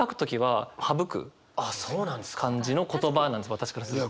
私からすると。